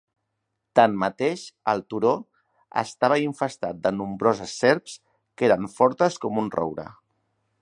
Tanmateix, el turó estava infestat de nombroses serps que eren fortes com un roure.